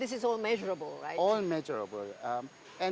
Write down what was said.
semua bisa dikurangkan